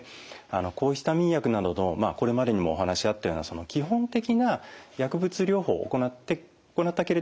抗ヒスタミン薬などのこれまでにもお話あったような基本的な薬物療法を行ったけれども改善しない方が対象になります。